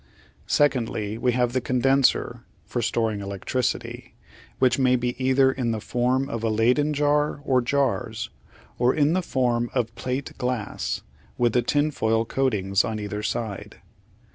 Secondly, we have the condenser (for storing electricity), which may be either in the form of a Leyden jar, or jars, or in the form of plate glass, with the tinfoil coatings on either side.